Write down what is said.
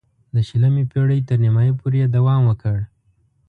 د شلمې پېړۍ تر نیمايی پورې یې دوام وکړ.